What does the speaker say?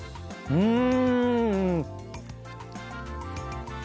うん！